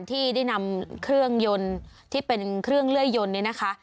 ที่ได้นำเครื่องยนต์ที่เป็นเครื่องเลื่อยยนต์เนี่ยนะคะ